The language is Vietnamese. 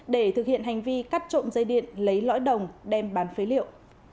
để thực hiện hành vi cắt trộm dây điện lấy lõi đồng đem bán phế liệu